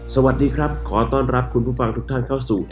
สวัสดีครับขอต้อนรับคุณผู้ฟังทุกท่านเข้าสู่